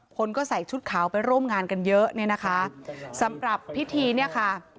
คนก็ใส่ชุดขาวไปร่วมงานกันเยอะเนี่ยนะคะสำหรับพิธีเนี่ยค่ะ